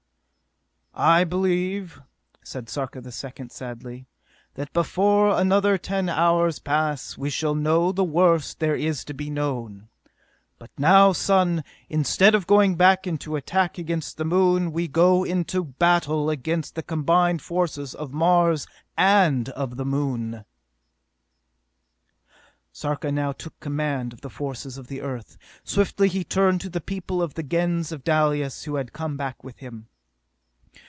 "I believe," said Sarka the Second sadly, "that before another ten hours pass we shall know the worst there is to be known: but now, son, instead of going into attack against the Moon, we go into battle against the combined forces of Mars and of the Moon!" Sarka now took command of the forces of the Earth. Swiftly he turned to the people of the Gens of Dalis who had come back with him.